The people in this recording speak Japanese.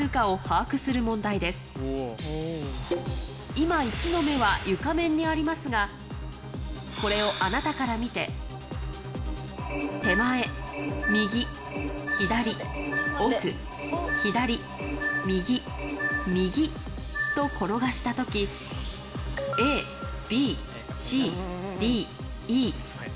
今１の目は床面にありますがこれをあなたから見て手前右左奥左右右と転がした時ＡＢＣＤＥＦ